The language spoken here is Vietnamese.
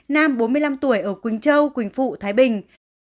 nam bốn mươi năm tuổi ở quỳnh châu quỳnh phụ thái bình